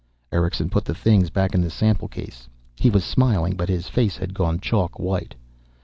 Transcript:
Erickson put the things back in the sample case. He was smiling, but his face had gone chalk white.